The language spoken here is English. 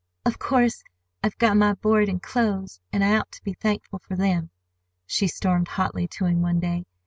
"Of course I've got my board and clothes, and I ought to be thankful for them," she stormed hotly to him one day.